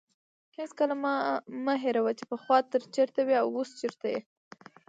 هېڅکله مه هېروه چې پخوا ته چیرته وې او اوس چیرته یې.